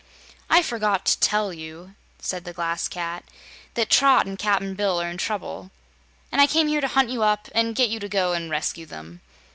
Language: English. "I forgot to tell you," said the Glass Cat, "that Trot and Cap'n Bill are in trouble, and I came here to hunt you up and get you to go and rescue them."